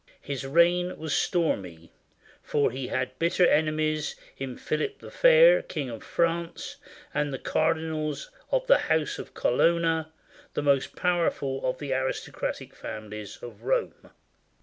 His reign was stormy, for he had bitter enemies in Philip the Fair, King of France, and the cardinals of the house of Colonna, the most powerful of the aristocratic families of Rome.